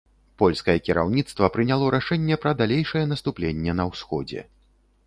Польскае кіраўніцтва прыняло рашэнне пра далейшае наступленне на ўсходзе.